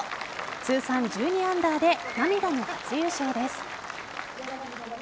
通算１２アンダーで涙の初優勝です。